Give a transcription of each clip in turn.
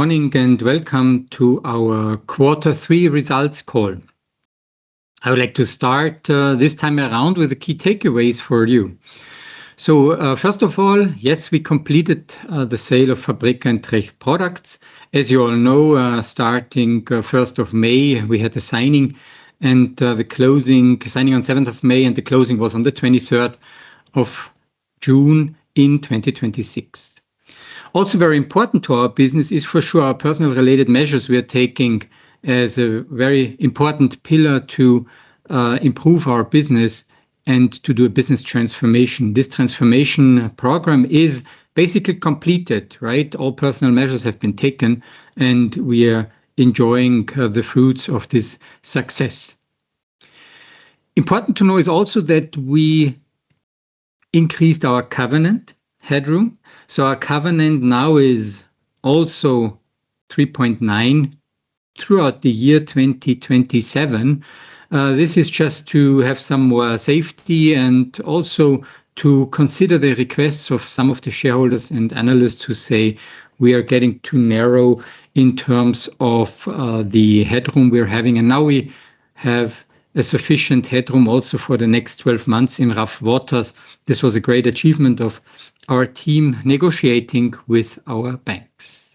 Morning, and welcome to our Quarter Three Results call. I would like to start this time around with the key takeaways for you. First of all, yes, we completed the sale of Fabreeka and Tech Products. As you all know, starting 1st of May, we had the signing and the closing. The signing on 7th of May, the closing was on the 23rd of June in 2026. Very important to our business is for sure our personal related measures we are taking as a very important pillar to improve our business and to do a business transformation. This transformation program is basically completed, right? All personal measures have been taken, we are enjoying the fruits of this success. Important to know is also that we increased our covenant headroom, our covenant now is also 3.9 throughout the year 2027. This is just to have some more safety and also to consider the requests of some of the shareholders and analysts who say we are getting too narrow in terms of the headroom we are having. Now we have a sufficient headroom also for the next 12 months in rough waters. This was a great achievement of our team negotiating with our banks.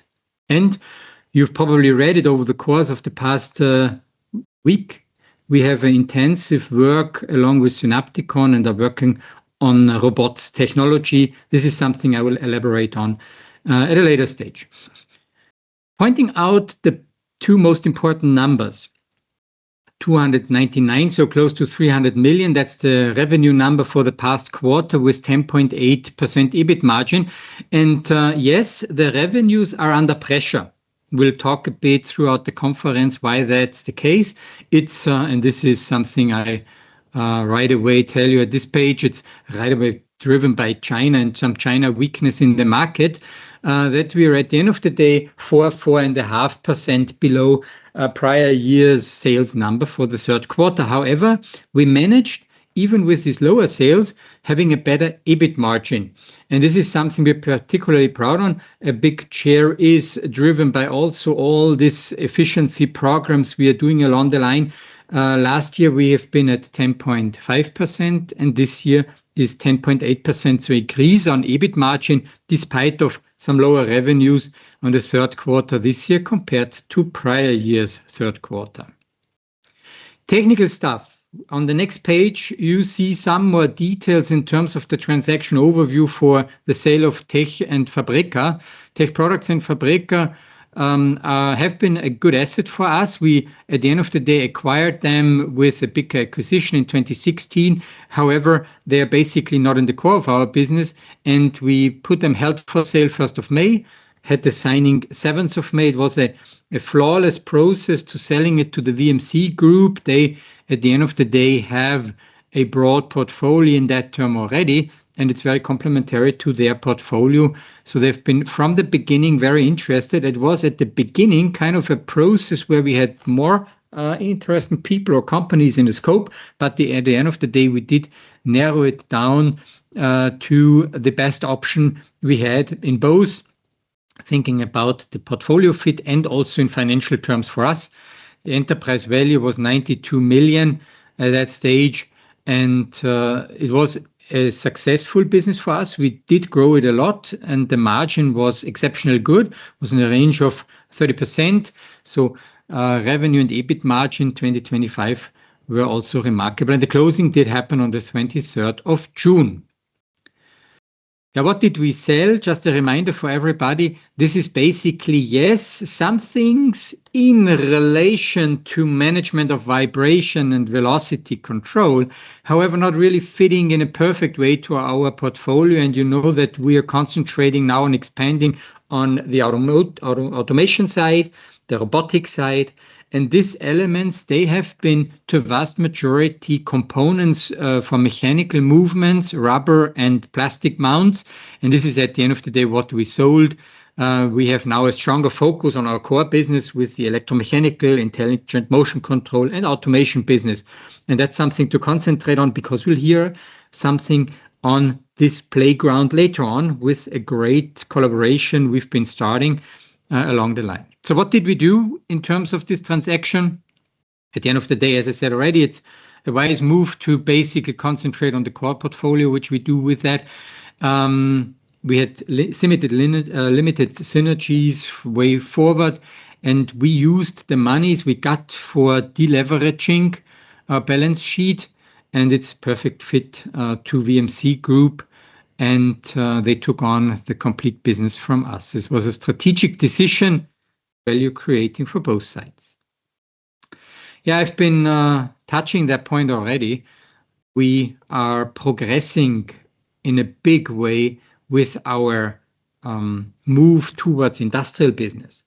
You've probably read it over the course of the past week. We have an intensive work along with Synapticon and are working on robots technology. This is something I will elaborate on at a later stage. Pointing out the two most important numbers, EUR 299 million, close to 300 million. That's the revenue number for the past quarter with 10.8% EBIT margin. Yes, the revenues are under pressure. We'll talk a bit throughout the conference why that's the case. This is something I right away tell you at this page. It's right away driven by China and some China weakness in the market, that we are, at the end of the day, 4%-4.5% below prior year's sales number for the third quarter. However, we managed, even with these lower sales, having a better EBIT margin, this is something we are particularly proud on. A big share is driven by also all these efficiency programs we are doing along the line. Last year we have been at 10.5%, this year is 10.8%, increase on EBIT margin despite of some lower revenues on the third quarter this year compared to prior year's third quarter. Technical stuff. On the next page, you see some more details in terms of the transaction overview for the sale of Tech and Fabreeka. Tech Products and Fabreeka have been a good asset for us. We, at the end of the day, acquired them with a big acquisition in 2016. However, they are basically not in the core of our business, we put them held for sale 1st of May. Had the signing 7th of May. It was a flawless process to selling it to the VMC Group. They, at the end of the day, have a broad portfolio in that term already, it's very complementary to their portfolio. They've been, from the beginning, very interested. It was at the beginning kind of a process where we had more interesting people or companies in the scope. At the end of the day, we did narrow it down to the best option we had in both thinking about the portfolio fit and also in financial terms for us. The enterprise value was 92 million at that stage, and it was a successful business for us. We did grow it a lot and the margin was exceptionally good. It was in a range of 30%. Revenue and EBIT margin 2025 were also remarkable. The closing did happen on the 23rd of June. What did we sell? Just a reminder for everybody. This is basically, yes, some things in relation to management of vibration and velocity control, however, not really fitting in a perfect way to our portfolio. You know that we are concentrating now on expanding on the automation side, the robotic side, and these elements, they have been to vast majority components for mechanical movements, rubber and plastic mounts. This is at the end of the day, what we sold. We have now a stronger focus on our core business with the electromechanical, intelligent motion control and automation business. That's something to concentrate on because we'll hear something on this playground later on with a great collaboration we've been starting along the line. What did we do in terms of this transaction? At the end of the day, as I said already, it's a wise move to basically concentrate on the core portfolio, which we do with that. We had limited synergies way forward, and we used the monies we got for de-leveraging our balance sheet. It's perfect fit to VMC Group. They took on the complete business from us. This was a strategic decision, value creating for both sides. Yeah, I've been touching that point already. We are progressing in a big way with our move towards industrial business.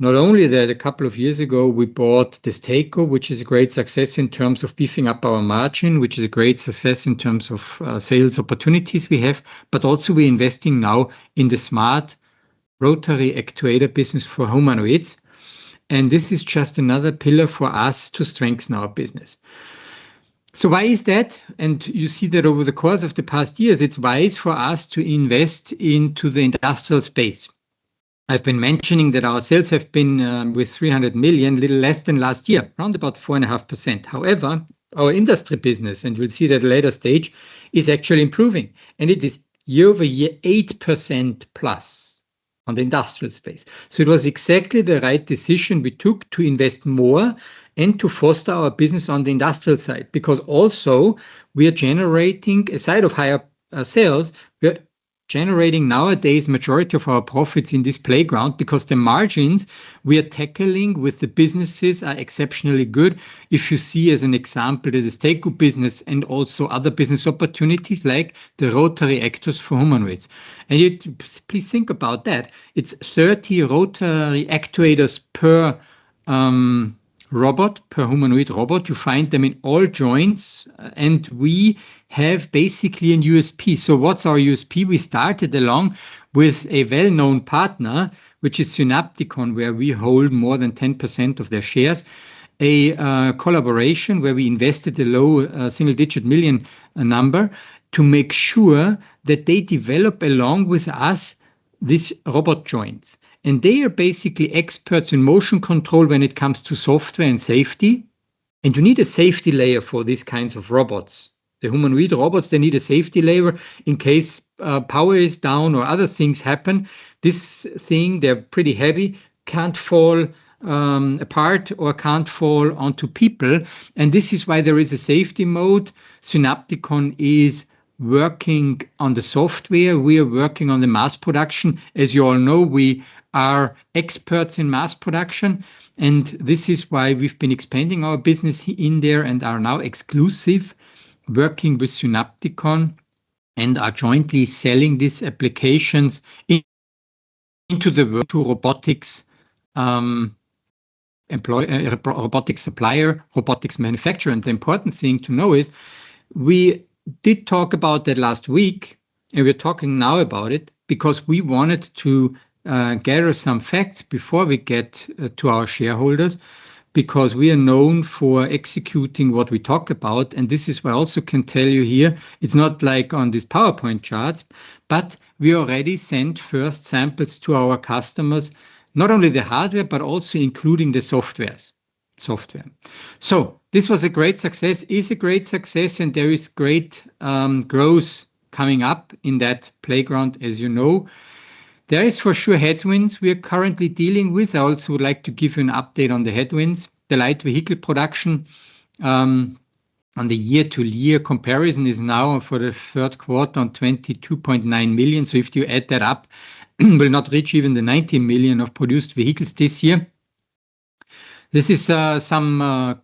Not only that, a couple of years ago we bought this DESTACO, which is a great success in terms of beefing up our margin, which is a great success in terms of sales opportunities we have. But also we're investing now in the smart rotary actuator business for humanoids. This is just another pillar for us to strengthen our business. Why is that? You see that over the course of the past years, it's wise for us to invest into the industrial space. I've been mentioning that our sales have been with 300 million, a little less than last year, around about 4.5%. However, our industry business, and we'll see that at a later stage, is actually improving. It is year-over-year, 8%+ on the industrial space. It was exactly the right decision we took to invest more and to foster our business on the industrial side, because also we are generating, aside of higher sales, we are generating nowadays majority of our profits in this playground because the margins we are tackling with the businesses are exceptionally good. If you see as an example, the DESTACO business and also other business opportunities like the rotary actuators for humanoids. Please think about that. It's 30 rotary actuators per robot, per humanoid robot. You find them in all joints. We have basically a USP. What's our USP? We started along with a well-known partner, which is Synapticon, where we hold more than 10% of their shares, a collaboration where we invested a low single-digit million number to make sure that they develop along with us these robot joints. They are basically experts in motion control when it comes to software and safety. You need a safety layer for these kinds of robots. The humanoid robots, they need a safety layer in case power is down or other things happen. This thing, they're pretty heavy, can't fall apart or can't fall onto people. This is why there is a safety mode. Synapticon is working on the software. We are working on the mass production. As you all know, we are experts in mass production, this is why we've been expanding our business in there and are now exclusive working with Synapticon and are jointly selling these applications into the robotics supplier, robotics manufacturer. The important thing to know is we did talk about that last week, we're talking now about it because we wanted to gather some facts before we get to our shareholders, because we are known for executing what we talk about. This is what I also can tell you here. It's not like on these PowerPoint charts, we already sent first samples to our customers, not only the hardware, but also including the software. This was a great success, is a great success, and there is great growth coming up in that playground, as you know. There is for sure headwinds we are currently dealing with. I also would like to give you an update on the headwinds. The light vehicle production on the year-over-year comparison is now for the third quarter on 22.9 million. If you add that up, we will not reach even the 90 million of produced vehicles this year. This is some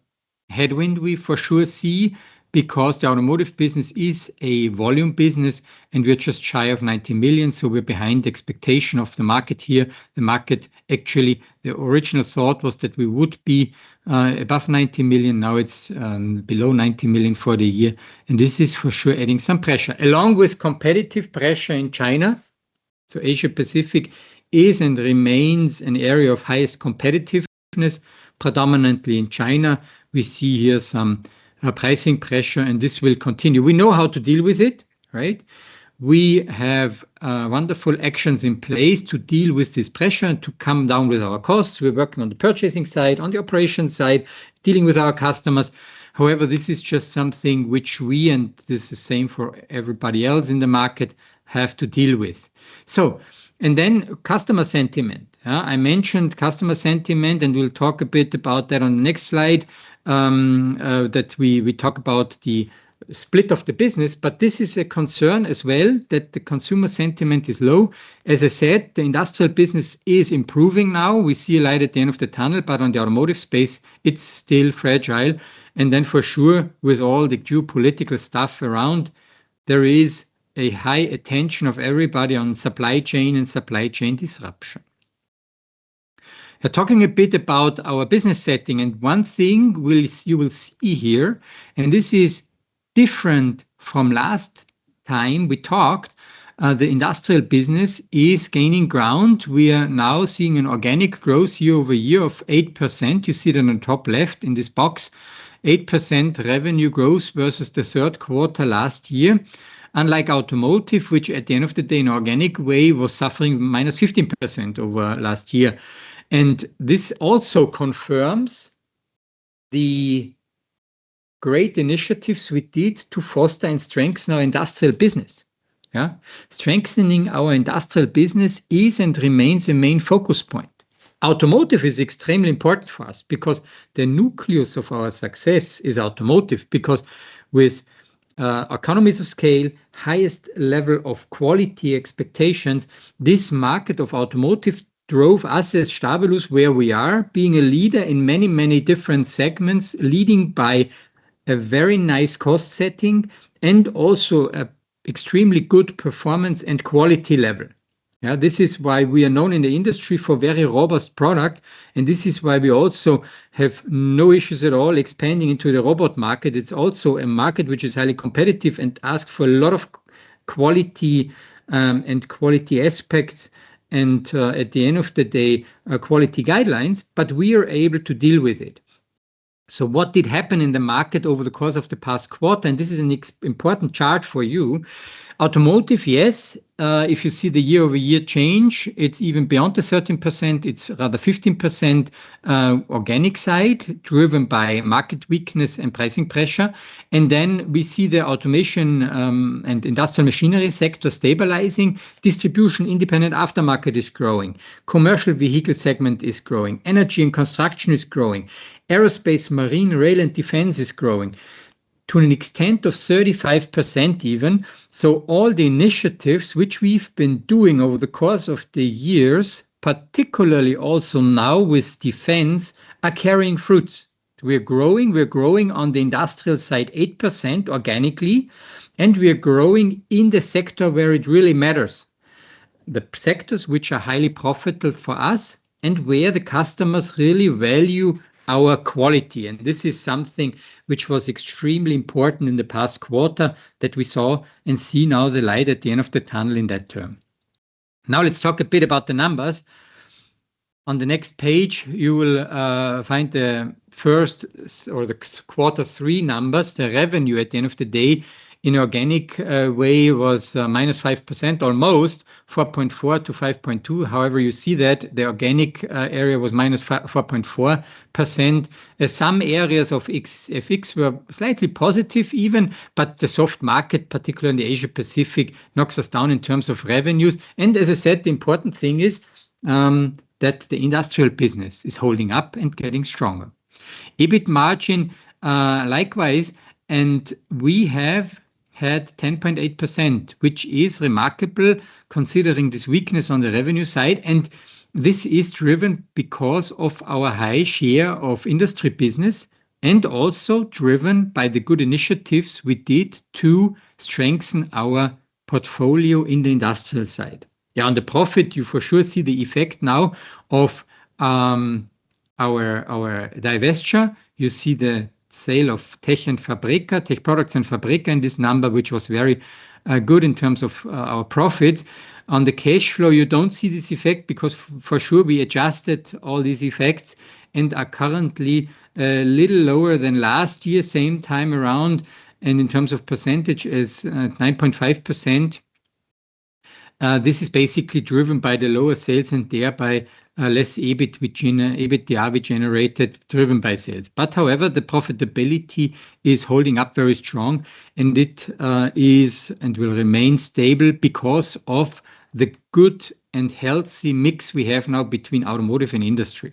headwind we for sure see because the automotive business is a volume business, we're just shy of 90 million, so we're behind expectation of the market here. The market actually, the original thought was that we would be above 90 million. Now it's below 90 million for the year, this is for sure adding some pressure, along with competitive pressure in China. Asia Pacific is and remains an area of highest competitiveness, predominantly in China. We see here some pricing pressure, this will continue. We know how to deal with it, right? We have wonderful actions in place to deal with this pressure and to come down with our costs. We're working on the purchasing side, on the operation side, dealing with our customers. However, this is just something which we, this is same for everybody else in the market, have to deal with. Customer sentiment. I mentioned customer sentiment, we'll talk a bit about that on the next slide, that we talk about the split of the business. This is a concern as well, that the consumer sentiment is low. As I said, the industrial business is improving now. We see a light at the end of the tunnel. On the automotive space, it's still fragile. For sure, with all the geopolitical stuff around, there is a high attention of everybody on supply chain and supply chain disruption. Talking a bit about our business setting, one thing you will see here, and this is different from last time we talked, the industrial business is gaining ground. We are now seeing an organic growth year-over-year of 8%. You see that on top left in this box, 8% revenue growth versus the third quarter last year. Unlike automotive, which at the end of the day, in organic way, was suffering -15% over last year. This also confirms the great initiatives we did to foster and strengthen our industrial business. Strengthening our industrial business is and remains a main focus point. Automotive is extremely important for us because the nucleus of our success is automotive, because with economies of scale, highest level of quality expectations, this market of automotive drove us as Stabilus where we are, being a leader in many, many different segments, leading by a very nice cost setting and also extremely good performance and quality level. This is why we are known in the industry for very robust product, and this is why we also have no issues at all expanding into the robot market. It's also a market which is highly competitive and asks for a lot of quality and quality aspects, at the end of the day, quality guidelines, but we are able to deal with it. What did happen in the market over the course of the past quarter? This is an important chart for you. Automotive, yes, if you see the year-over-year change, it's even beyond the 13%, it's rather 15% organic side driven by market weakness and pricing pressure. Then we see the automation and industrial machinery sector stabilizing. Distribution independent aftermarket is growing. Commercial vehicle segment is growing. Energy and construction is growing. Aerospace, marine, rail, and defense is growing to an extent of 35% even. All the initiatives which we've been doing over the course of the years, particularly also now with defense, are carrying fruits. We're growing on the industrial side 8% organically, and we are growing in the sector where it really matters. The sectors which are highly profitable for us and where the customers really value our quality. This is something which was extremely important in the past quarter that we saw and see now the light at the end of the tunnel in that term. Let's talk a bit about the numbers. On the next page, you will find the first or the quarter three numbers. The revenue at the end of the day in organic way was -5%, almost 4.4% to 5.2%. However, you see that the organic area was -4.4%. Some areas of FX were slightly positive even, but the soft market, particularly in the Asia-Pacific, knocks us down in terms of revenues. As I said, the important thing is that the industrial business is holding up and getting stronger. EBIT margin, likewise, we have had 10.8%, which is remarkable considering this weakness on the revenue side. This is driven because of our high share of industry business and also driven by the good initiatives we did to strengthen our portfolio in the industrial side. On the profit, you for sure see the effect now of our divestiture. You see the sale of Tech and Fabreeka, Tech Products and Fabreeka, this number, which was very good in terms of our profits. On the cash flow, you don't see this effect because for sure we adjusted all these effects and are currently a little lower than last year, same time around, and in terms of percentage is 9.5%. This is basically driven by the lower sales and thereby less EBIT average generated driven by sales. However, the profitability is holding up very strong, and it is and will remain stable because of the good and healthy mix we have now between automotive and industry.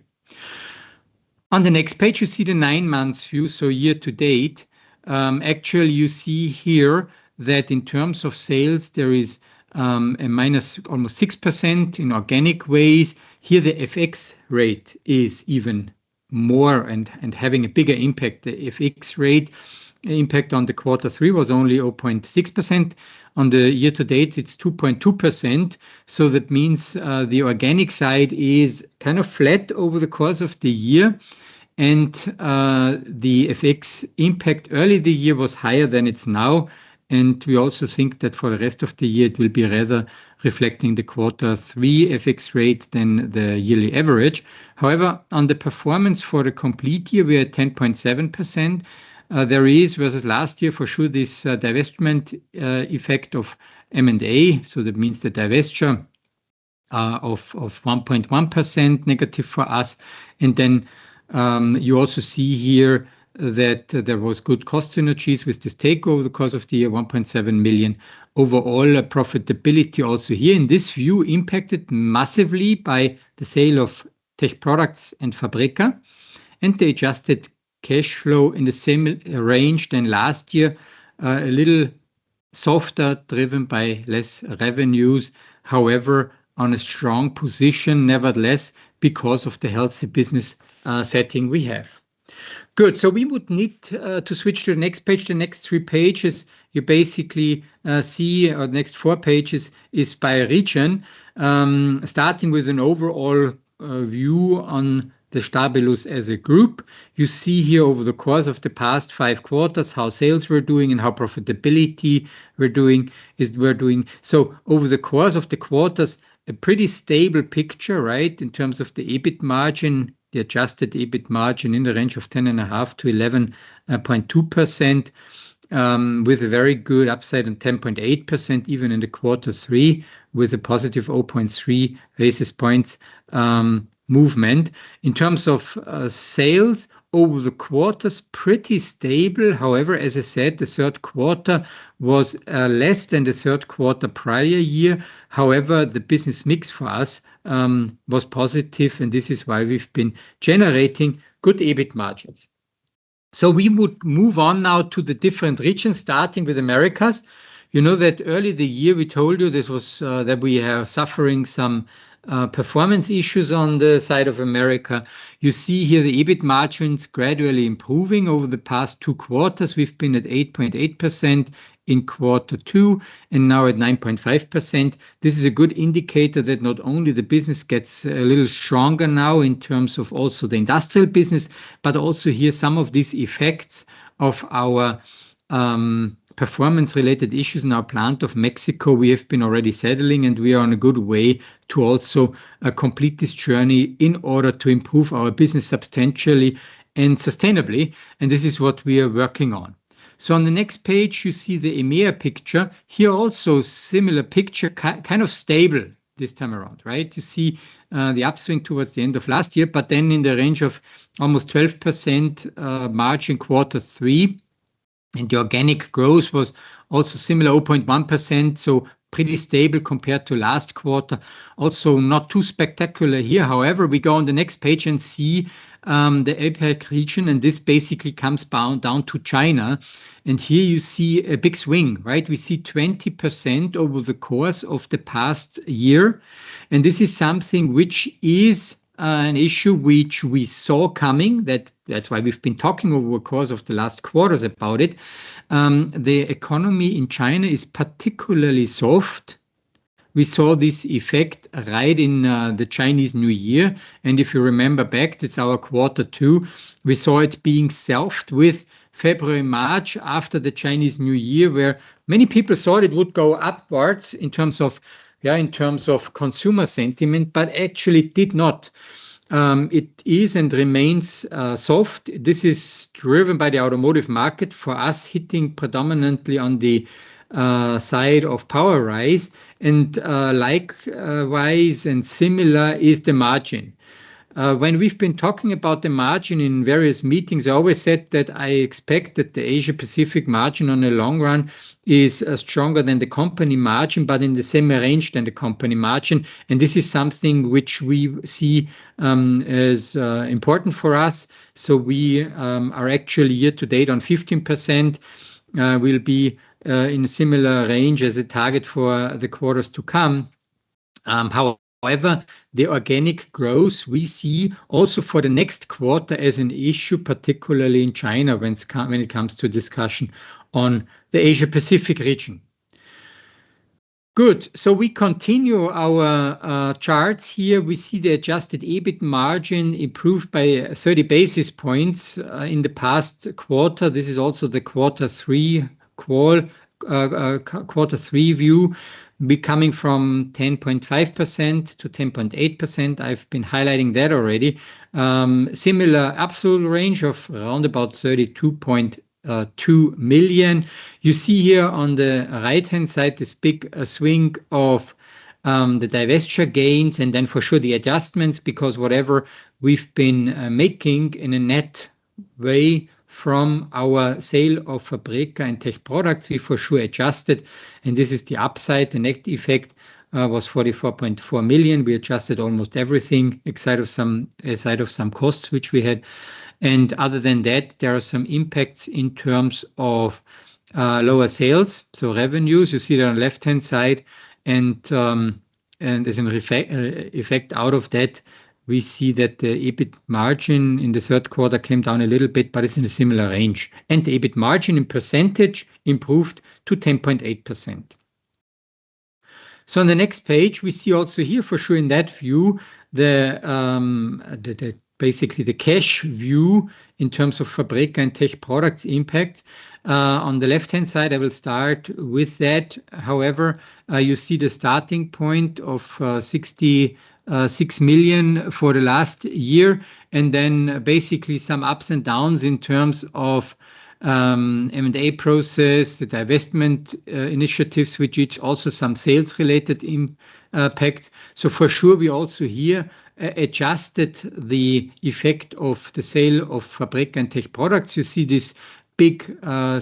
On the next page, you see the nine months view, so year to date. Actually, you see here that in terms of sales, there is a minus almost 6% in organic ways. Here the FX rate is even more and having a bigger impact. The FX rate impact on the quarter three was only 0.6%. On the year to date, it's 2.2%. That means the organic side is kind of flat over the course of the year, and the FX impact early the year was higher than it's now, and we also think that for the rest of the year, it will be rather reflecting the quarter three FX rate than the yearly average. However, on the performance for the complete year, we are at 10.7%. There is versus last year, for sure, this divestment effect of M&A. That means the divesture of 1.1% negative for us. Then you also see here that there was good cost synergies with this takeover the course of the year, 1.7 million. Overall profitability also here in this view impacted massively by the sale of Tech Products and Fabreeka and the adjusted cash flow in the same range than last year. A little softer driven by less revenues, however, on a strong position nevertheless because of the healthy business setting we have. Good. We would need to switch to the next page. The next three pages, you basically see or the next four pages is by region, starting with an overall view on the Stabilus as a group. You see here over the course of the past five quarters how sales were doing and how profitability we're doing. Over the course of the quarters, a pretty stable picture, right, in terms of the EBIT margin, the adjusted EBIT margin in the range of 10.5%-11.2%, with a very good upside in 10.8% even in the quarter three with a +0.3 basis points movement. In terms of sales over the quarters, pretty stable. However, as I said, the third quarter was less than the third quarter prior year. However, the business mix for us was positive, and this is why we've been generating good EBIT margins. We would move on now to the different regions, starting with Americas. You know that early the year we told you that we are suffering some performance issues on the side of America. You see here the EBIT margins gradually improving over the past two quarters. We've been at 8.8% in quarter two and now at 9.5%. This is a good indicator that not only the business gets a little stronger now in terms of also the industrial business, but also here some of these effects of our performance-related issues in our plant of Mexico we have been already settling and we are on a good way to also complete this journey in order to improve our business substantially and sustainably and this is what we are working on. On the next page you see the EMEA picture. Here also similar picture, kind of stable this time around, right? You see the upswing towards the end of last year, in the range of almost 12% margin Q3. The organic growth was also similar, 0.1%, pretty stable compared to last quarter. Also not too spectacular here. We go on the next page and see the APAC region, and this basically comes down to China. Here you see a big swing, right? We see 20% over the course of the past year, this is something which is an issue which we saw coming. That's why we've been talking over the course of the last quarters about it. The economy in China is particularly soft. We saw this effect right in the Chinese New Year, if you remember back, that's our Q2. We saw it being soft with February, March, after the Chinese New Year, where many people thought it would go upwards in terms of consumer sentiment, actually it did not. It is and remains soft. This is driven by the automotive market, for us hitting predominantly on the side of Powerise likewise and similar is the margin. When we've been talking about the margin in various meetings, I always said that I expect that the Asia-Pacific margin in the long run is stronger than the company margin, in the same range than the company margin. This is something which we see as important for us. We are actually year to date on 15%, we'll be in a similar range as a target for the quarters to come. The organic growth we see also for the next quarter as an issue, particularly in China when it comes to discussion on the Asia-Pacific region. Good. We continue our charts here. We see the adjusted EBIT margin improved by 30 basis points in the past quarter. This is also the Q3 view. We are coming from 10.5%-10.8%. I've been highlighting that already. Similar absolute range of around 32.2 million. You see here on the right-hand side, this big swing of the divestiture gains for sure the adjustments, because whatever we've been making in a net way from our sale of Fabreeka and Tech Products, we for sure adjusted, this is the upside. The net effect was 44.4 million. We adjusted almost everything outside of some costs which we had. Other than that, there are some impacts in terms of lower sales. Revenues, you see there on the left-hand side. As an effect out of that, we see that the EBIT margin in the third quarter came down a little bit, it is in a similar range. The EBIT margin in percentage improved to 10.8%. In the next page, we see also here for sure in that view, basically the cash view in terms of Fabreeka and Tech Products impact. On the left-hand side, I will start with that. You see the starting point of 66 million for the last year, basically some ups and downs in terms of M&A process, the divestment initiatives, with which also some sales related impact. For sure, we also here adjusted the effect of the sale of Fabreeka and Tech Products. You see this big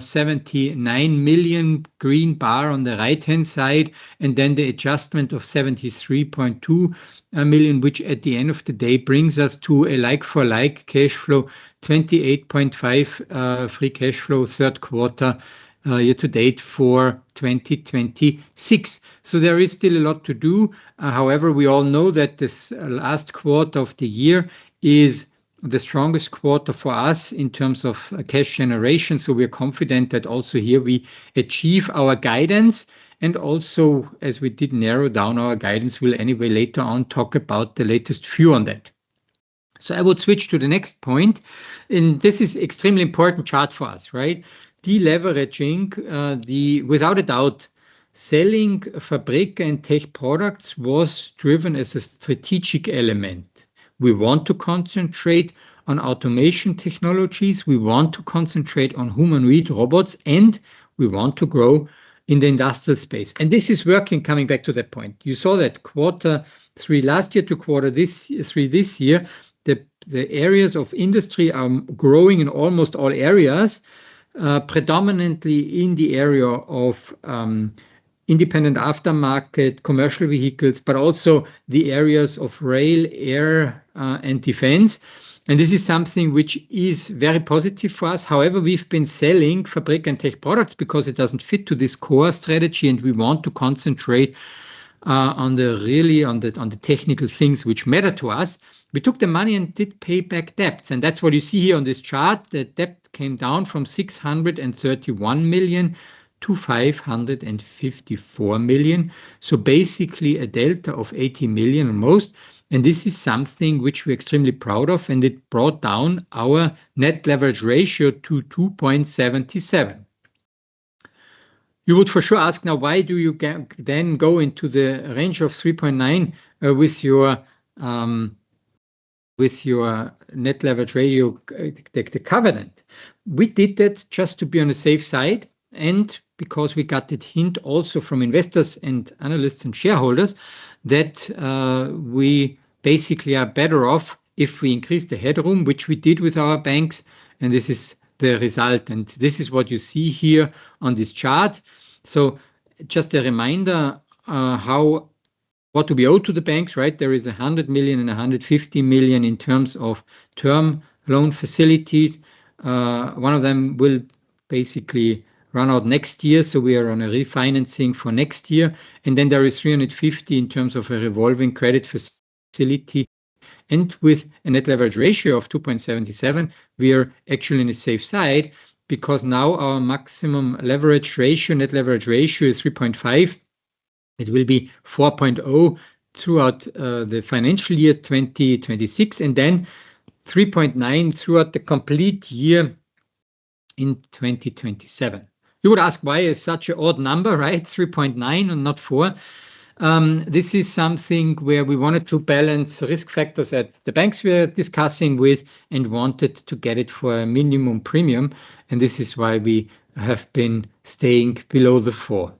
79 million green bar on the right-hand side, and then the adjustment of 73.2 million, which at the end of the day brings us to a like-for-like cash flow, 28.5 free cash flow third quarter year to date for 2026. There is still a lot to do. However, we all know that this last quarter of the year is the strongest quarter for us in terms of cash generation. We are confident that also here we achieve our guidance, and also as we did narrow down our guidance, we'll anyway later on talk about the latest view on that. I would switch to the next point, and this is extremely important chart for us deleveraging. Without a doubt, selling Fabreeka and Tech Products was driven as a strategic element. We want to concentrate on automation technologies, we want to concentrate on humanoid robots, and we want to grow in the industrial space. This is working, coming back to that point. You saw that quarter three last year to quarter three this year, the areas of industry are growing in almost all areas, predominantly in the area of independent aftermarket commercial vehicles, but also the areas of rail, air, and defense. This is something which is very positive for us. However, we've been selling Fabreeka and Tech Products because it doesn't fit to this core strategy, and we want to concentrate on the technical things which matter to us. We took the money and did pay back debts, and that's what you see here on this chart. The debt came down from 631 million-554 million. Basically a delta of 80 million or most. This is something which we're extremely proud of, and it brought down our net leverage ratio to 2.77. You would for sure ask now: Why do you then go into the range of 3.9 with your net leverage ratio, you take the covenant. We did that just to be on the safe side and because we got that hint also from investors and analysts and shareholders that we basically are better off if we increase the headroom, which we did with our banks, and this is the result, and this is what you see here on this chart. Just a reminder what we owe to the banks. There is 100 million and 150 million in terms of term loan facilities. One of them will basically run out next year, so we are on a refinancing for next year. There is 350 million in terms of a revolving credit facility. With a net leverage ratio of 2.77, we are actually in a safe side because now our maximum leverage ratio, net leverage ratio, is 3.5. It will be 4.0 throughout the financial year 2026, and then 3.9 throughout the complete year in 2027. You would ask, why is such an odd number, 3.9 and not 4? This is something where we wanted to balance risk factors that the banks we are discussing with and wanted to get it for a minimum premium, and this is why we have been staying below the four.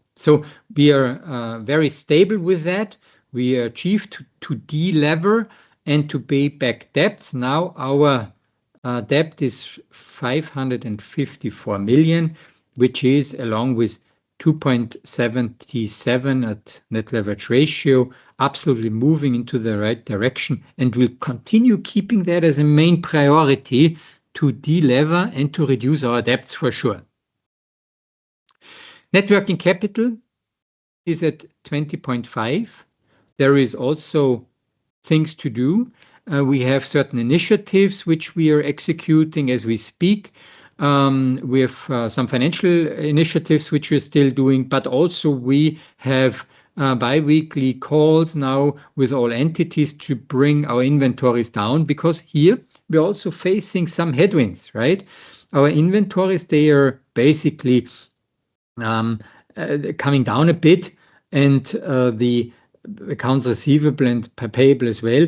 We are very stable with that. We achieved to delever and to pay back debts. Now our debt is 554 million, which is, along with 2.77 at net leverage ratio, absolutely moving into the right direction and will continue keeping that as a main priority to delever and to reduce our debts, for sure. Net working capital is at 20.5.%There are also things to do. We have certain initiatives which we are executing as we speak. We have some financial initiatives which we're still doing, but also we have biweekly calls now with all entities to bring our inventories down, because here we are also facing some headwinds. Our inventories, they are basically coming down a bit and the accounts receivable and payable as well.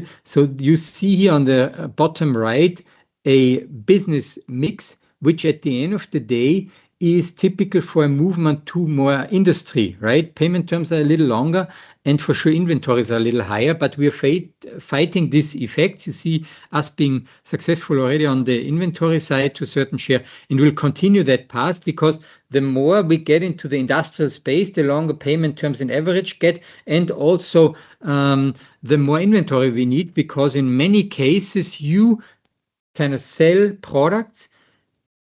You see here on the bottom right a business mix, which at the end of the day is typical for a movement to more industry. Payment terms are a little longer and for sure inventories are a little higher, but we are fighting this effect. You see us being successful already on the inventory side to a certain share, and we'll continue that path because the more we get into the industrial space, the longer payment terms in average get, and also the more inventory we need because in many cases, you can sell products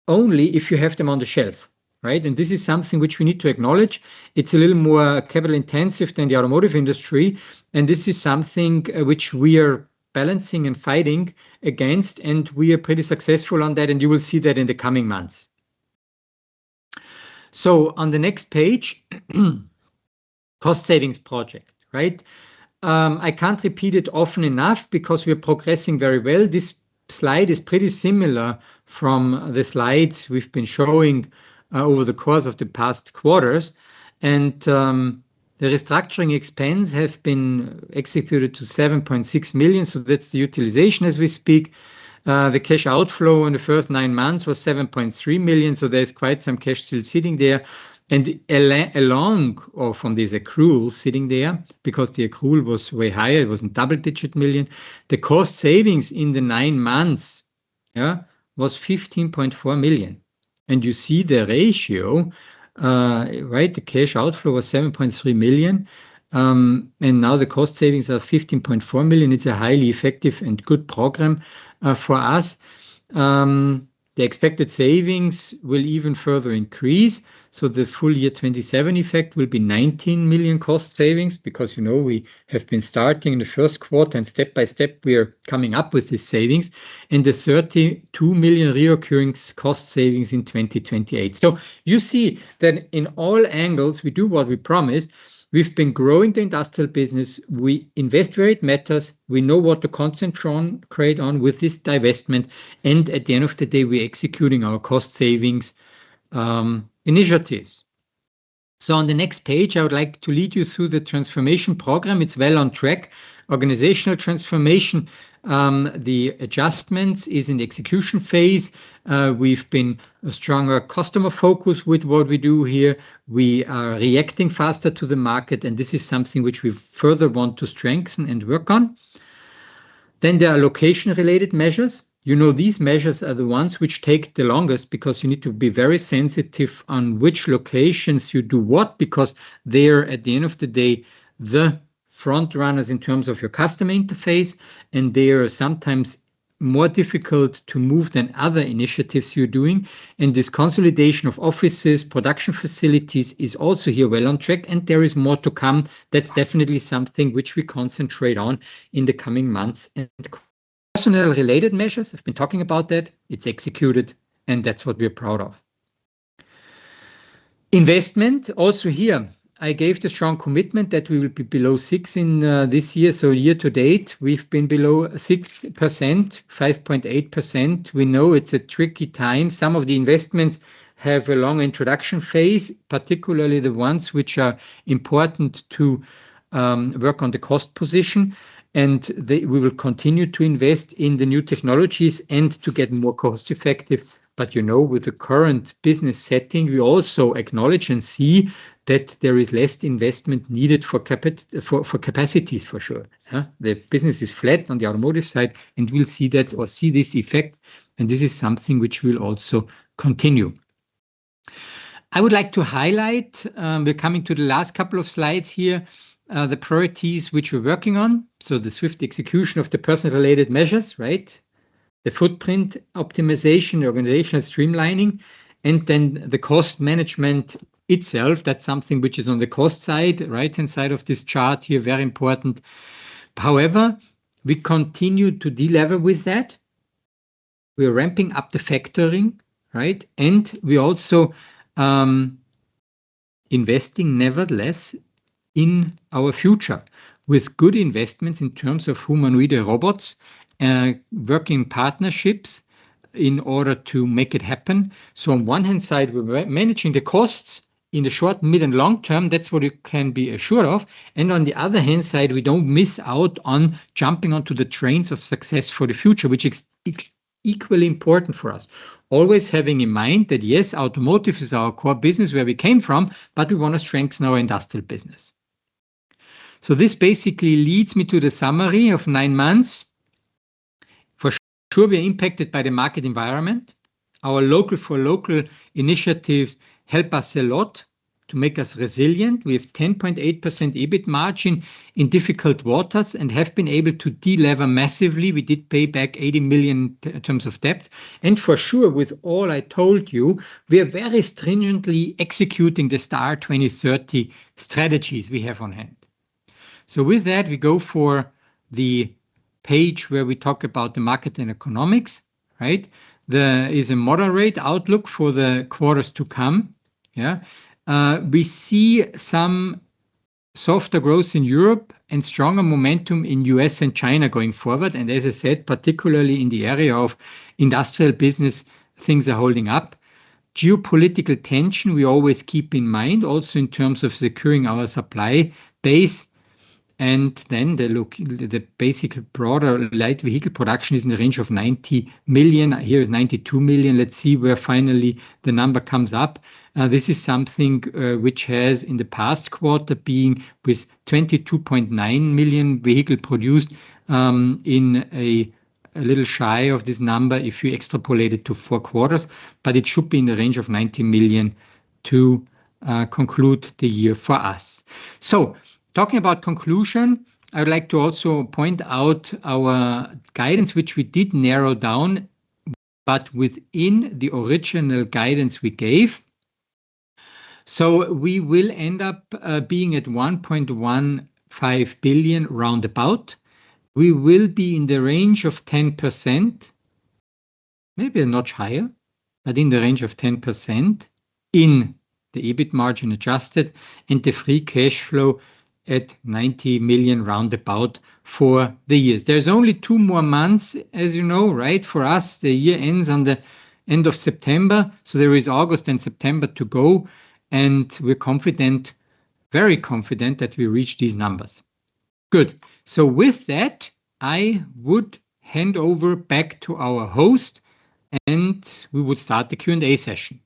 only if you have them on the shelf. This is something which we need to acknowledge. It's a little more capital intensive than the automotive industry, and this is something which we are balancing and fighting against, and we are pretty successful on that and you will see that in the coming months. On the next page, cost savings project. I can't repeat it often enough because we are progressing very well. This slide is pretty similar to the slides we've been showing over the course of the past quarters. The restructuring expense has been executed to 7.6 million, so that's the utilization as we speak. The cash outflow in the first nine months was 7.3 million, so there's quite some cash still sitting there. Along from this accrual sitting there, because the accrual was way higher, it was in double digit million, the cost savings in the nine months was 15.4 million. You see the ratio, the cash outflow was 7.3 million, and now the cost savings are 15.4 million. It's a highly effective and good program for us. The expected savings will even further increase. The full year 2027 effect will be 19 million cost savings because you know we have been starting in the first quarter and step by step we are coming up with these savings and the 32 million recurring cost savings in 2028. You see that in all angles, we do what we promised. We've been growing the industrial business. We invest where it matters. We know what to concentrate on with this divestment, and at the end of the day, we are executing our cost savings initiatives. On the next page, I would like to lead you through the transformation program. It's well on track. Organizational transformation. The adjustments are in the execution phase. We have a stronger customer focus with what we do here. We are reacting faster to the market, and this is something which we further want to strengthen and work on. There are location-related measures. You know these measures are the ones which take the longest because you need to be very sensitive on which locations you do what because they are, at the end of the day, the front runners in terms of your customer interface and they are sometimes more difficult to move than other initiatives you're doing. This consolidation of offices, production facilities is also here well on track and there is more to come. That's definitely something which we concentrate on in the coming months. Personnel-related measures, we've been talking about that. It's executed and that's what we're proud of. Investment, also here, I gave the strong commitment that we will be below 6% in this year. Year to date, we've been below 6%, 5.8%. We know it's a tricky time. Some of the investments have a long introduction phase, particularly the ones which are important to work on the cost position. We will continue to invest in the new technologies and to get more cost-effective. With the current business setting, we also acknowledge and see that there is less investment needed for capacities, for sure. The business is flat on the automotive side, and we'll see this effect, and this is something which will also continue. I would like to highlight, we're coming to the last couple of slides here, the priorities which we're working on. The swift execution of the personnel-related measures. The footprint optimization, organizational streamlining, and then the cost management itself. That's something which is on the cost side, right-hand side of this chart here, very important. However, we continue to delever with that. We are ramping up the factoring. We also investing nevertheless in our future with good investments in terms of humanoid robots and working partnerships in order to make it happen. On one hand side, we're managing the costs in the short, mid, and long term. That's what you can be assured of. On the other hand side, we don't miss out on jumping onto the trains of success for the future, which is equally important for us. Always having in mind that yes, automotive is our core business where we came from, but we want to strengthen our industrial business. This basically leads me to the summary of nine months. For sure, we are impacted by the market environment. Our local-for-local initiatives help us a lot to make us resilient. We have 10.8% EBIT margin in difficult waters and have been able to delever massively. We did pay back 80 million in terms of debt. For sure, with all I told you, we are very stringently executing the STAR 2030 strategies we have on hand. With that, we go for the page where we talk about the market and economics. There is a moderate outlook for the quarters to come. We see some softer growth in Europe and stronger momentum in U.S. and China going forward. As I said, particularly in the area of industrial business, things are holding up. Geopolitical tension, we always keep in mind, also in terms of securing our supply base. The basic broader light vehicle production is in the range of 90 million. Here is 92 million. Let's see where finally the number comes up. This is something which has in the past quarter been with 22.9 million vehicle produced, a little shy of this number if you extrapolate it to four quarters, but it should be in the range of 90 million to conclude the year for us. Talking about conclusion, I would like to also point out our guidance, which we did narrow down, but within the original guidance we gave. We will end up being at 1.15 billion roundabout. We will be in the range of 10%, maybe a notch higher, but in the range of 10% in the EBIT margin adjusted and the free cash flow at 90 million roundabout for the year. There is only two more months, as you know. For us, the year ends on the end of September. There is August and September to go, and we are confident, very confident that we reach these numbers. Good. With that, I would hand over back to our host, and we would start the Q&A session.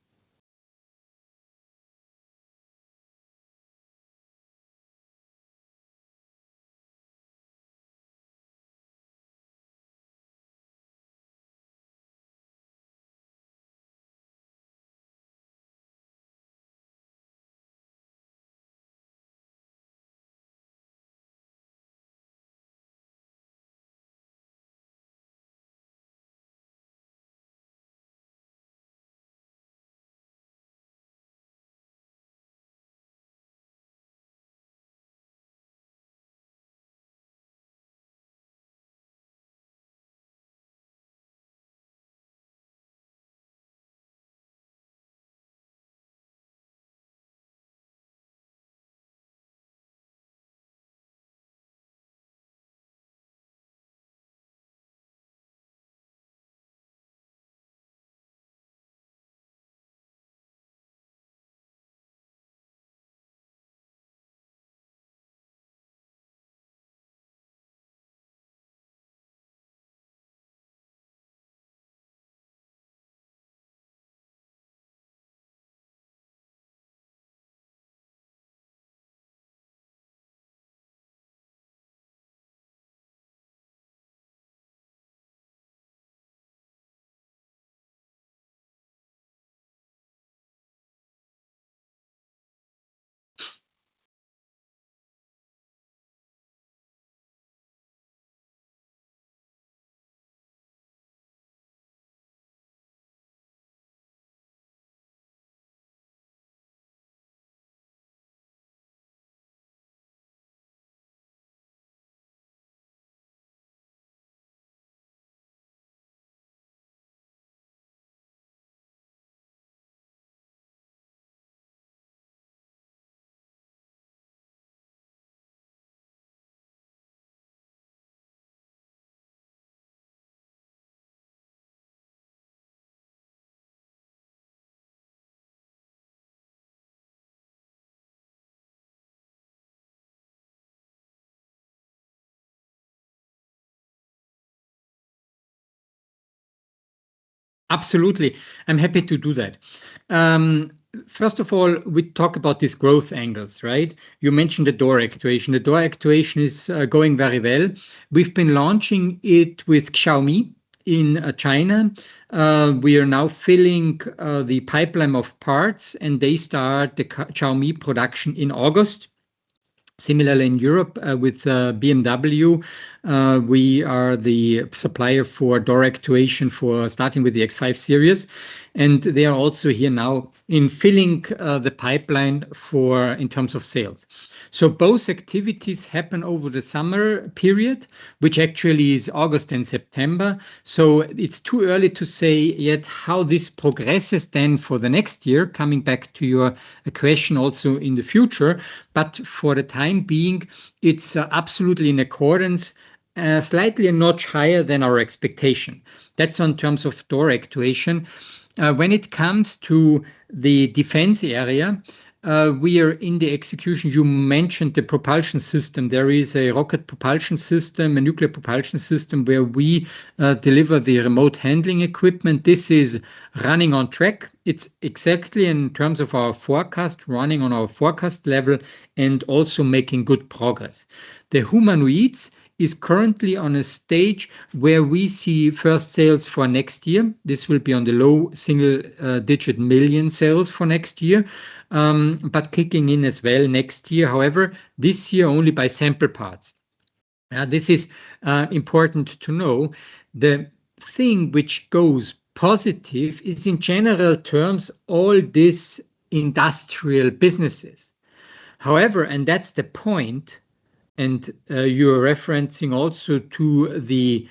Absolutely. I am happy to do that. First of all, we talk about these growth angles, right? You mentioned the door actuation. The door actuation is going very well. We have been launching it with Xiaomi in China. We are now filling the pipeline of parts, and they start the Xiaomi production in August. Similarly, in Europe with BMW, we are the supplier for door actuation starting with the X5 series, and they are also here now in filling the pipeline in terms of sales. Both activities happen over the summer period, which actually is August and September. It is too early to say yet how this progresses then for the next year, coming back to your question also in the future, but for the time being, it is absolutely in accordance, slightly a notch higher than our expectation. That is in terms of door actuation. When it comes to the defense area, we are in the execution. You mentioned the propulsion system. There is a rocket propulsion system, a nuclear propulsion system where we deliver the remote handling equipment. This is running on track. It is exactly in terms of our forecast, running on our forecast level and also making good progress. The humanoids is currently on a stage where we see first sales for next year. This will be on the low single-digit million sales for next year, but kicking in as well next year, however, this year only by sample parts. This is important to know. The thing which goes positive is in general terms, all these industrial businesses. However, that is the point, and you are referencing also to the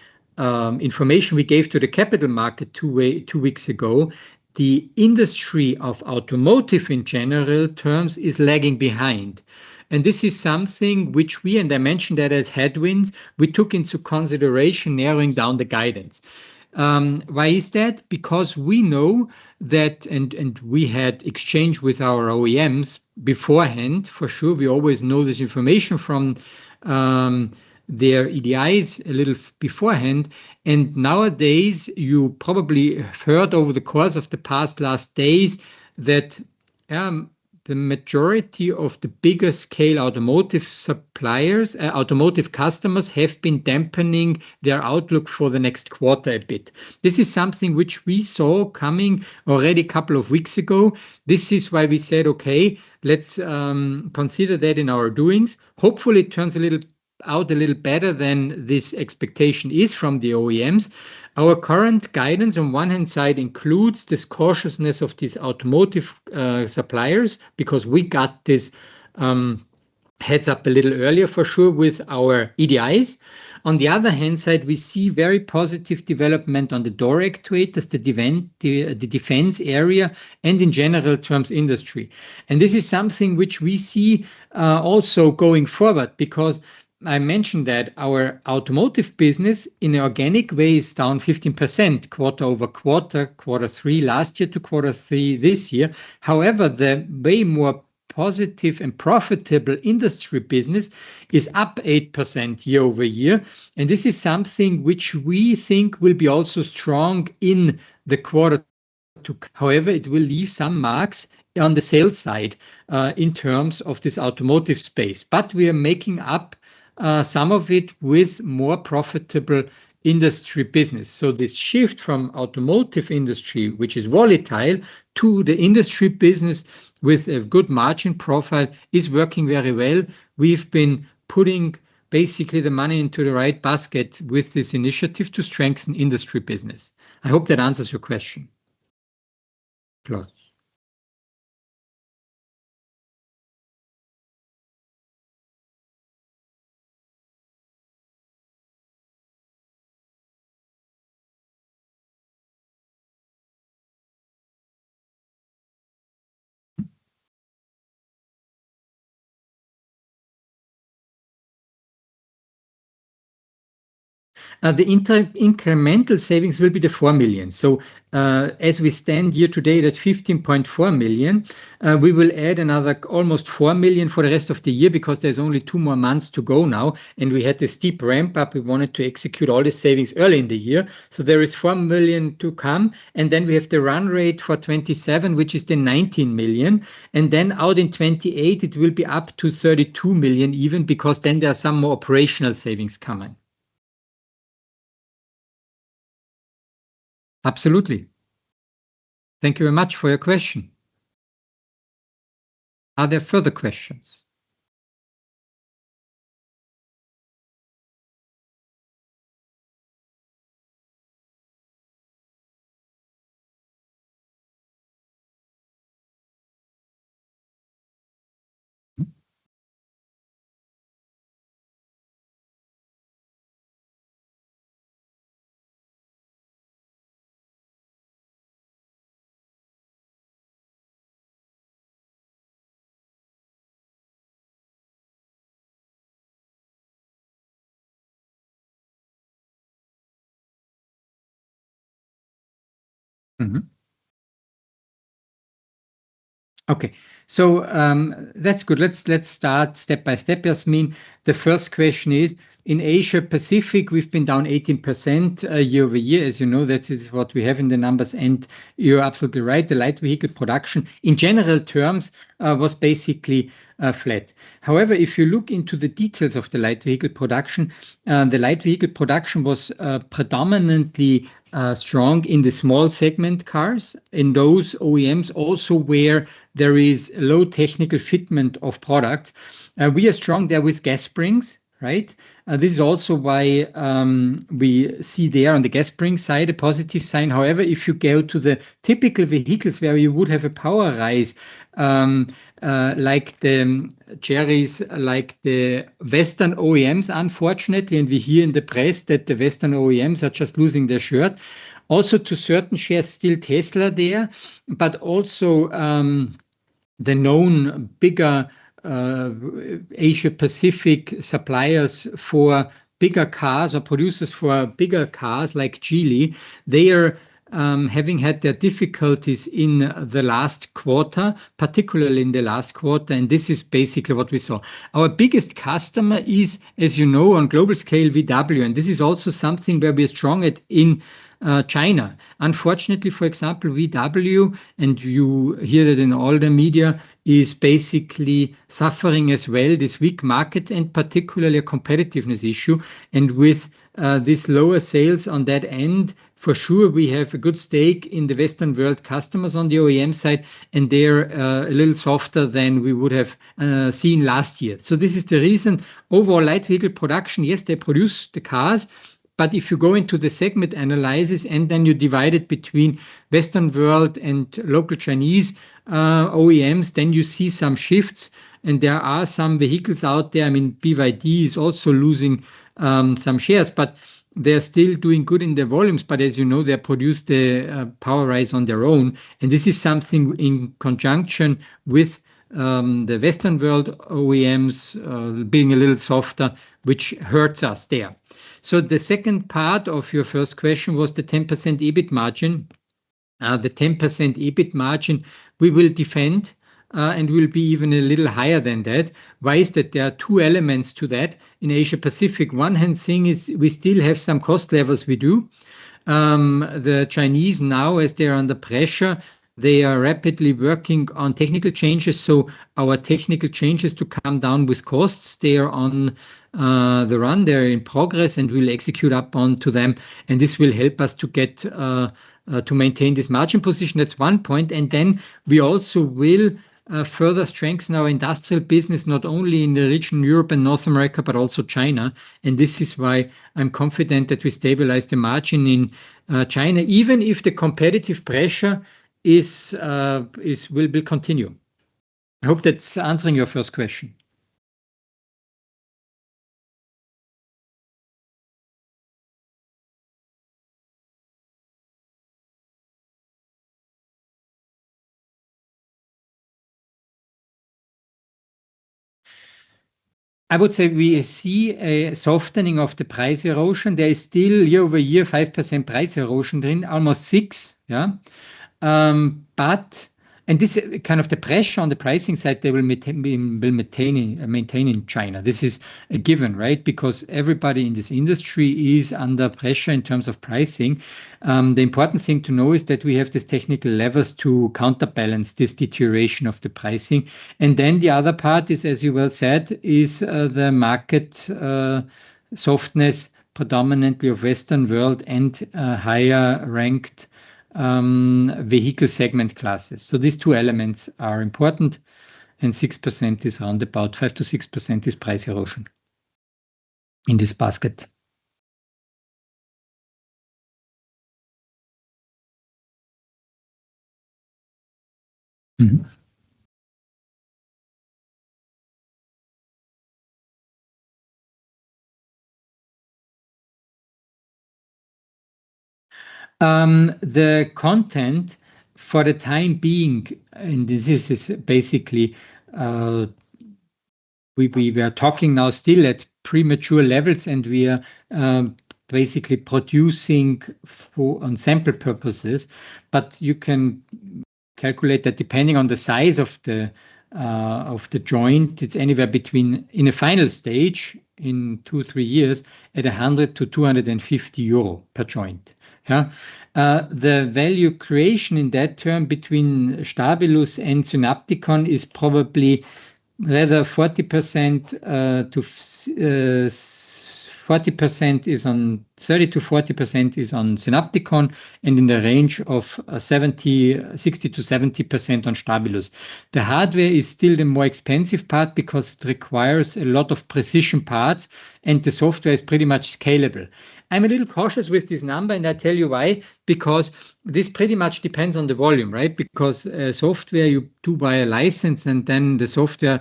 information we gave to the capital market two weeks ago, the industry of automotive, in general terms, is lagging behind. This is something which we, and I mentioned that as headwinds, we took into consideration narrowing down the guidance. Why is that? We know that, and we had exchange with our OEMs beforehand. For sure, we always know this information from their EDIs a little beforehand. Nowadays, you probably heard over the course of the past last days that the majority of the bigger scale automotive customers have been dampening their outlook for the next quarter a bit. This is something which we saw coming already couple of weeks ago. This is why we said, "Okay, let's consider that in our doings." Hopefully, it turns out a little better than this expectation is from the OEMs. Our current guidance on one hand side includes this cautiousness of these automotive suppliers because we got this heads-up a little earlier for sure with our EDIs. On the other hand side, we see very positive development on the door actuation, the defense area, and in general terms, industry. This is something which we see also going forward because I mentioned that our automotive business in an organic way is down 15% quarter-over-quarter, Q3 last year to Q3 this year. However, the way more positive and profitable industry business is up 8% year-over-year, and this is something which we think will be also strong in the quarter two. However, it will leave some marks on the sales side in terms of this automotive space. We are making up some of it with more profitable industry business. This shift from automotive industry, which is volatile, to the industry business with a good margin profile is working very well. We've been putting basically the money into the right basket with this initiative to strengthen industry business. I hope that answers your question, Claus. The incremental savings will be the 4 million. As we stand here today at 15.4 million, we will add another almost 4 million for the rest of the year because there is only two more months to go now, and we had this steep ramp-up. We wanted to execute all the savings early in the year. There is 4 million to come, and then we have the run rate for 2027, which is the 19 million. Then out in 2028, it will be up to 32 million even because then there are some more operational savings coming. Absolutely. Thank you very much for your question. Are there further questions? Okay. That is good. Let us start step by step, Yasmin. The first question is, in Asia Pacific, we have been down 18% year-over-year. As you know, that is what we have in the numbers, and you are absolutely right, the light vehicle production, in general terms, was basically flat. However, if you look into the details of the light vehicle production, the light vehicle production was predominantly strong in the small segment cars, in those OEMs also where there is low technical fitment of product. We are strong there with gas springs, right? This is also why we see there on the gas spring side a positive sign. However, if you go to the typical vehicles where you would have a Powerise, like the Cherys, like the Western OEMs, unfortunately, and we hear in the press that the Western OEMs are just losing market share. Also to certain shares, still Tesla there, but also the known bigger Asia-Pacific suppliers for bigger cars or producers for bigger cars like Geely, they are having had their difficulties in the last quarter, particularly in the last quarter, and this is basically what we saw. Our biggest customer is, as you know, on global scale, VW, and this is also something where we are strong at in China. Unfortunately, for example, VW, and you hear it in all the media, is basically suffering as well this weak market and particularly a competitiveness issue. With these lower sales on that end, for sure we have a good stake in the Western world customers on the OEMs side, and they're a little softer than we would have seen last year. This is the reason overall light vehicle production, yes, they produce the cars, but if you go into the segment analysis, then you divide it between Western world and local Chinese OEMs, then you see some shifts, and there are some vehicles out there. I mean, BYD is also losing some shares, but they're still doing good in their volumes. As you know, they produce their Powerise on their own, and this is something in conjunction with the Western world OEMs being a little softer, which hurts us there. The second part of your first question was the 10% EBIT margin. The 10% EBIT margin we will defend, and will be even a little higher than that. Why is that? There are two elements to that. In Asia Pacific, one thing is we still have some cost levers we do. The Chinese now, as they're under pressure, they are rapidly working on technical changes. Our technical change is to come down with costs. They are on the run, they're in progress, and we'll execute upon to them, and this will help us to maintain this margin position. That's one point, we also will further strengthen our industrial business, not only in the region Europe and North America, but also China. This is why I'm confident that I stabilize the margin in China, even if the competitive pressure will continue. I hope that's answering your first question. I would say we see a softening of the price erosion. There is still year-over-year 5% price erosion then, almost 6% This kind of the pressure on the pricing side, they will maintain in China. This is a given, right? Because everybody in this industry is under pressure in terms of pricing. The important thing to know is that we have these technical levers to counterbalance this deterioration of the pricing. The other part is, as you well said, is the market softness predominantly of Western world and higher-ranked vehicle segment classes. These two elements are important, and 6% is around about, 5%-6% is price erosion in this basket. The content for the time being, we are talking now still at premature levels, we are producing on sample purposes, but you can calculate that depending on the size of the joint, it's anywhere between, in a final stage, in two, three years, at 100-250 euro per joint. The value creation in that term between Stabilus and Synapticon is probably rather 30%-40% is on Synapticon and in the range of 60%-70% on Stabilus. The hardware is still the more expensive part because it requires a lot of precision parts, and the software is pretty much scalable. I'm a little cautious with this number, and I tell you why. This pretty much depends on the volume, right? Because software you do buy a license, then the software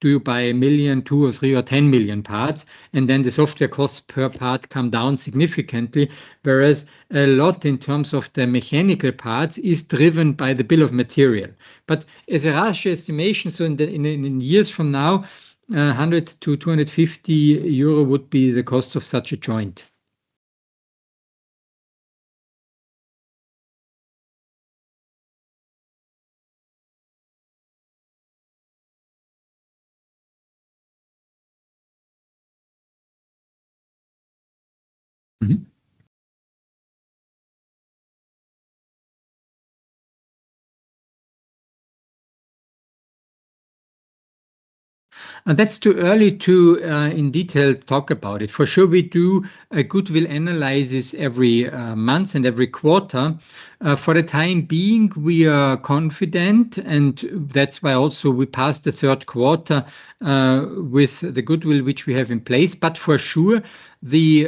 do you buy 1 million, 2 million or 3 million or 10 million parts? Then the software costs per part come down significantly, whereas a lot in terms of the mechanical parts is driven by the bill of material. As a harsh estimation, in years from now, 100-250 euro would be the cost of such a joint. That's too early to, in detail, talk about it. For sure we do a goodwill analysis every month and every quarter. For the time being, we are confident, and that's why also we passed the third quarter with the goodwill which we have in place. For sure, the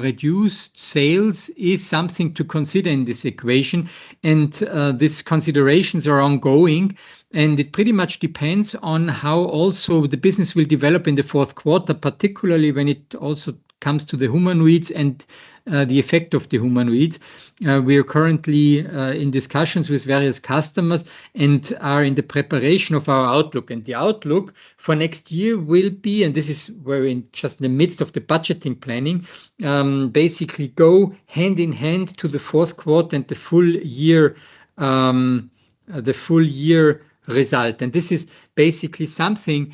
reduced sales is something to consider in this equation. These considerations are ongoing, and it pretty much depends on how also the business will develop in the fourth quarter, particularly when it also comes to the humanoids and the effect of the humanoids. We are currently in discussions with various customers and are in the preparation of our outlook. The outlook for next year will be, and this is, we're in just the midst of the budgeting planning, basically go hand in hand to the fourth quarter and the full year result. This is basically something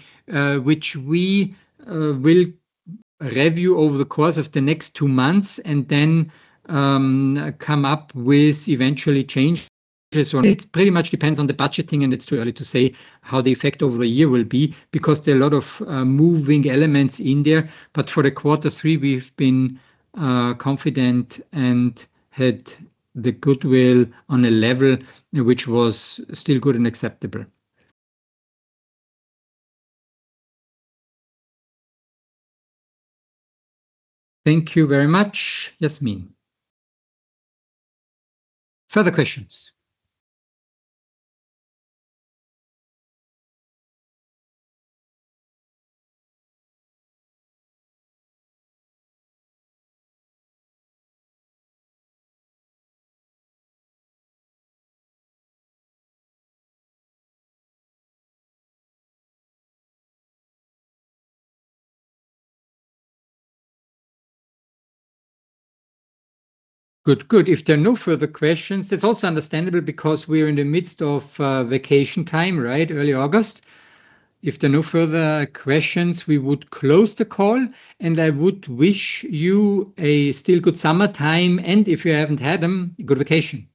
which we will review over the course of the next two months and then come up with eventually changes on it. Pretty much depends on the budgeting, and it's too early to say how the effect over the year will be, because there are a lot of moving elements in there. For the quarter three, we've been confident and had the goodwill on a level which was still good and acceptable. Thank you very much, Yasmin. Further questions? Good. If there are no further questions, that's also understandable because we are in the midst of vacation time, right? Early August. If there are no further questions, we would close the call, and I would wish you a still good summertime, and if you haven't had them, good vacation.